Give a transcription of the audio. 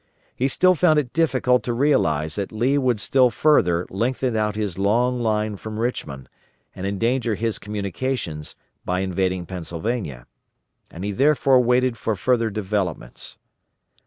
He still found it difficult to realize that Lee would still further lengthen out his long line from Richmond, and endanger his communications, by invading Pennsylvania; and he therefore waited for further developments.